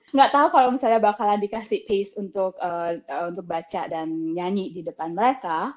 enggak tau kalau misalnya bakalan dikasih piece untuk baca dan nyanyi di depan mereka